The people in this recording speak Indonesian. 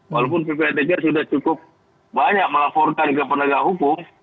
walaupun ppatk sudah cukup banyak melaporkan ke penegak hukum